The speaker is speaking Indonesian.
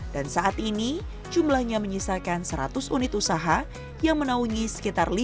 dan saat ini jumlahnya menyisakan seratus unit usaha yang menaungi sekitar lima ratus perajin